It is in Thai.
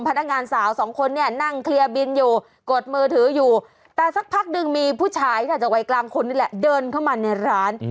พนักงานสาวสองคนเนี่ยนั่งเคลียร์บินอยู่กดมือถืออยู่แต่สักพักหนึ่งมีผู้ชายค่ะจากวัยกลางคนนี่แหละเดินเข้ามาในร้าน